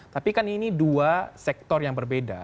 tapi kan ini dua sektor yang berbeda